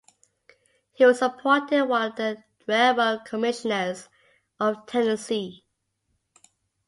He was appointed one of the railroad commissioners of Tennessee.